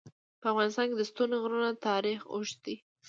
په افغانستان کې د ستوني غرونه تاریخ اوږد دی.